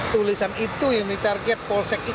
tulisan itu yang ditarget polsek itu bukan